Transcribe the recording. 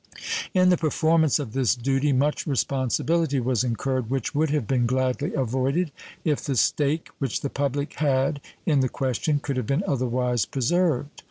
In the performance of this duty much responsibility was incurred which would have been gladly avoided if the stake which the public had in the question could have been otherwise preserved.